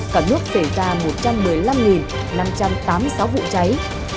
cả nước xảy ra một trăm một mươi năm năm trăm tám mươi sáu vụ cháy